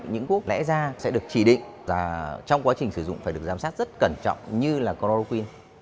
những thuốc lẽ ra sẽ được chỉ định và trong quá trình sử dụng phải được giám sát rất cẩn trọng như là chloroquine